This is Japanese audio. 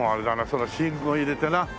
その信号入れてな。